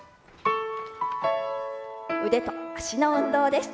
腕と脚の運動です。